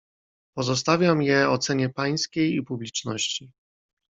"Pozostawiam je ocenie pańskiej i publiczności."